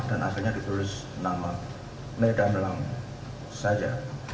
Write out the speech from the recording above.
dan akhirnya ditulis nama medan dalam saja